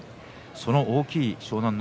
その大きい湘南乃